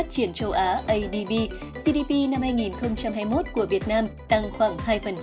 phát triển châu á adb cdp năm hai nghìn hai mươi một của việt nam tăng khoảng hai